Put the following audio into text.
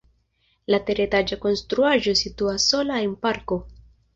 La teretaĝa konstruaĵo situas sola en parko.